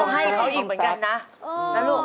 ต้องเหมือนกันนะนะลูก